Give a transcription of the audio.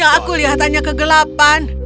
ya aku lihatannya kegelapan